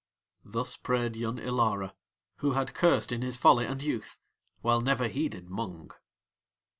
Thus prayed Yun Ilara, who had cursed in his folly and youth, while never heeded Mung.